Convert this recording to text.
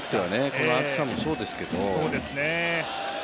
この暑さもそうですけど。